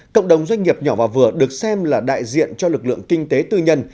cộng đồng doanh nghiệp nhỏ và vừa được xem là đại diện cho lực lượng kinh tế tư nhân